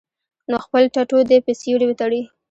نو خپل ټټو دې پۀ سيوري وتړي -